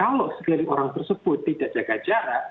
kalau sekeliling orang tersebut tidak jaga jarak